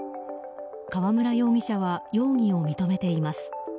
川村容疑者は容疑を認めています。